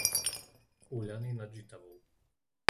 Úľany nad Žitavou